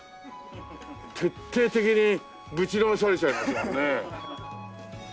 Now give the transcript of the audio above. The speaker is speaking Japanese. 徹底的にぶちのめされちゃいますもんね。